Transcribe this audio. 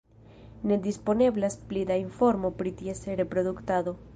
Ne disponeblas pli da informo pri ties reproduktado.